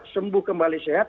sembuh kembali sehat